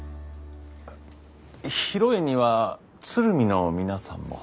披露宴には鶴見の皆さんも？